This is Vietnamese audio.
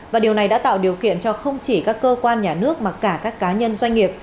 và điều này đã tạo điều kiện cho không chỉ các cơ quan nhà nước mà cả các cá nhân doanh nghiệp